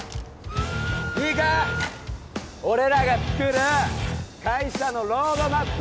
いいか俺らがつくる会社のロードマップ